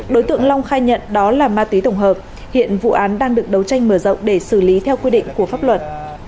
đối tượng long khai nhận đó là ma túy tổng hợp hiện vụ án đang được đấu tranh mở rộng để xử lý theo quy định của pháp luật